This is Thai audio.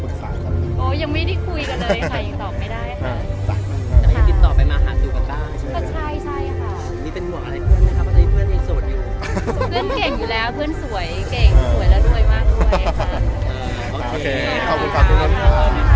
เพื่อนสวยร้อสวยมากด้วยค่ะอืมโอเคขอบคุณครับคุณทุกคนค่ะ